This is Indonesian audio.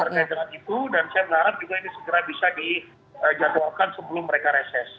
terkait dengan itu dan saya berharap juga ini segera bisa dijadwalkan sebelum mereka reses